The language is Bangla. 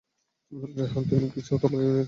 রেহান, তুমি কি চাও আমি তোমার ইউনিটকে রেডিও করি?